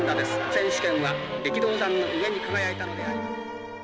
選手権は力道山の上に輝いたのであります。